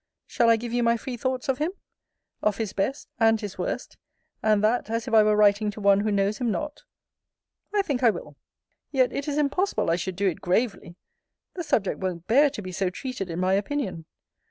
Shall I give you my free thoughts of him? Of his best and his worst; and that as if I were writing to one who knows him not? I think I will. Yet it is impossible I should do it gravely. The subject won't bear to be so treated in my opinion.